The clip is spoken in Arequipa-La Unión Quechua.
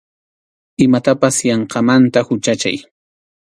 Imatapas yanqamanta huchachay.